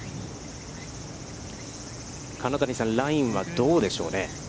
金谷さん、ラインはどうでしょうね。